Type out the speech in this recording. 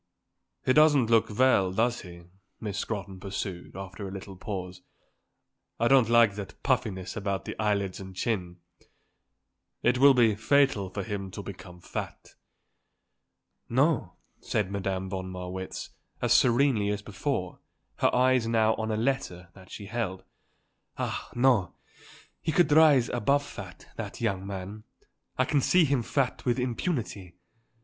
"He doesn't look well, does he?" Miss Scrotton pursued, after a little pause. "I don't like that puffiness about the eyelids and chin. It will be fatal for him to become fat." "No," said Madame von Marwitz, as serenely as before, her eyes now on a letter that she held. "Ah, no; he could rise above fat, that young man. I can see him fat with impunity.